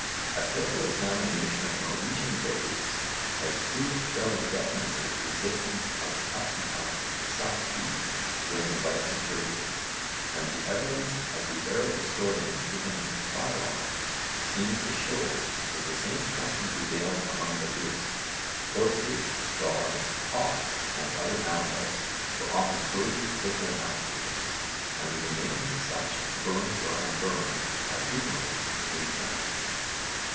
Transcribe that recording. A careful examination of Norwegian graves has proved fairly definitely the existence of the custom of 'suttee' during the Viking period, and the evidence of the Arab historian Ibn Fadhlan seems to show that the same custom prevailed among the Rûs. Horses, dogs, hawks and other animals were often buried with their masters, and the remains of such, burned or unburned, have frequently been found.